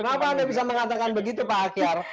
kenapa anda bisa mengatakan begitu pak akyar